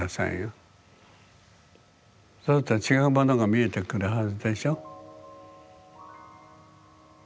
そうすると違うものが見えてくるはずでしょ。